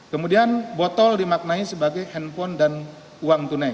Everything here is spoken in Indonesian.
kemudian botol dimaknai sebagai handphone dan uang tunai